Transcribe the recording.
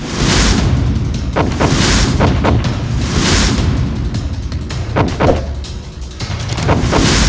tidak bisa aku anggap remeh